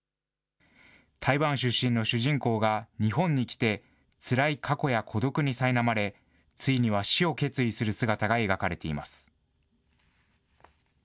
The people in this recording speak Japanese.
台湾出身の主人公が、日本に来て、つらい過去や孤独にさいなまれ、ついには死を決意する姿が描かれています。